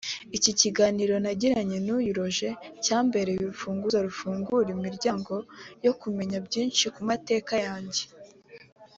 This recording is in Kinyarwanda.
Iki kiganiro nagiranye n’uyu Roger cyambereye urufunguzo rumfungurira imiryango yo kumenya byinshi ku mateka yanjye